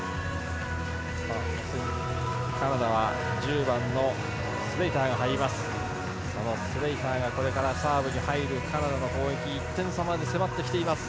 カナダは１０番のスレイターが入ります。